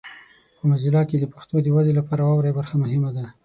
په موزیلا کې د پښتو د ودې لپاره واورئ برخه مهمه ده.